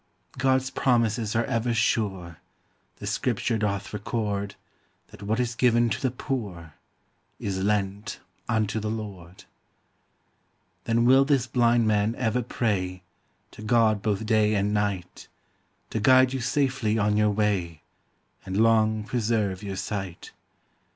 God's promises are ever sure, • The scripture. <doth record That what is given to the poor ! Is lent unto the Lord. I Then will this blind man over pray ! To God both day and night I To guide you safely on your way, ! And long preserve your sight.